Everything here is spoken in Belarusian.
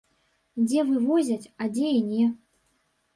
Дзе вывозяць, а дзе і не.